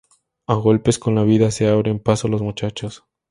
A golpes con la vida se abren paso los muchachos.